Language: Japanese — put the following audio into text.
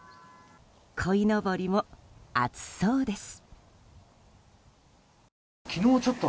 こいのぼりも暑そうです。